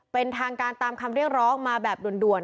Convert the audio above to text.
เป็นทางการตามคำเรียกร้องมาแบบด่วน